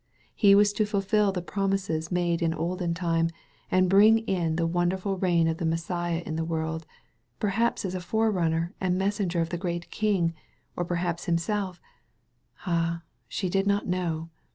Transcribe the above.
He was to fulfil the promises made in olden time and bring in^the wonderful reign of the Messiah in the world — perhaps as a fore runner and messenger of the great King» or perhaps himself — ah, she did not know!